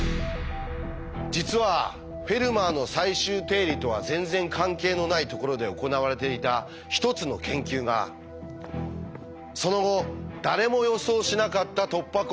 実は「フェルマーの最終定理」とは全然関係のないところで行われていた一つの研究がその後誰も予想しなかった突破口を開くことになるんです。